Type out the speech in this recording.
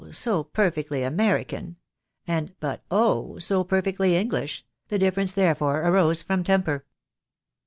so perfectly American !" and —" But oh ! so perfectly English !" the difference, therefore, arose from temper.